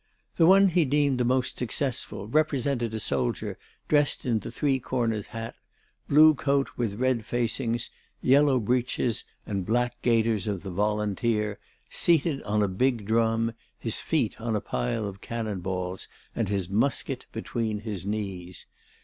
The one he deemed the most successful represented a soldier dressed in the three cornered hat, blue coat with red facings, yellow breeches and black gaiters of the Volunteer, seated on a big drum, his feet on a pile of cannon balls and his musket between his knees.